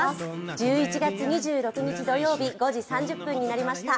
１１月２６日土曜日５時３０分になりました。